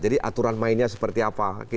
jadi aturan mainnya seperti apa